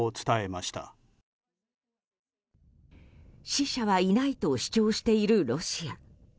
死者はいないと主張しているロシア。